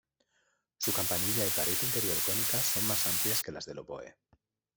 Su campanilla y pared interior cónicas son más amplias que las del oboe.